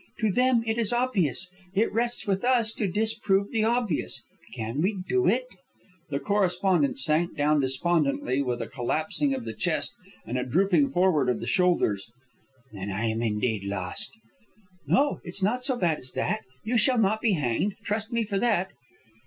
To them it is obvious. It rests with us to disprove the obvious. Can we do it?" The correspondent sank down despondently, with a collapsing of the chest and a drooping forward of the shoulders. "Then am I indeed lost." "No, it's not so bad as that. You shall not be hanged. Trust me for that."